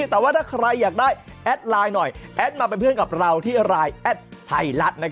แต่ว่าถ้าใครอยากได้แอดไลน์หน่อยแอดมาเป็นเพื่อนกับเราที่ไลน์แอดไทยรัฐ